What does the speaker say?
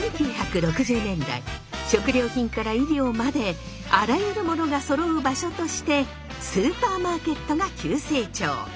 １９６０年代食料品から衣料まであらゆるものがそろう場所としてスーパーマーケットが急成長。